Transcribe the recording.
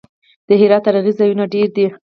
د هرات تاریخي ځایونه ډیر دي